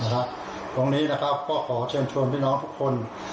ตรงนี้ก็ขอเชื่อมชวนพี่น้องทุกคน